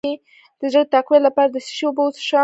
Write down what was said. د زړه د تقویت لپاره د څه شي اوبه وڅښم؟